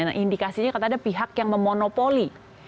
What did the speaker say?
nah indikasinya ada pihak yang memonopoli